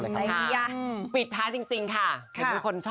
ขอเลขน้ำได้จ้ะ